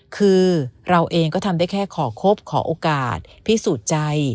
คือเราเองก็ทำได้แค่ขอคบขอโอกาสพิสูจน์ใจ